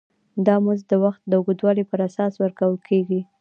دا مزد د وخت د اوږدوالي پر اساس ورکول کېږي